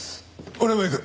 俺も行く。